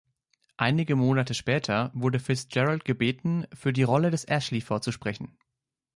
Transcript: Einige Monate später wurde Fitzgerald gebeten, für die Rolle des Ashley vorzusprechen.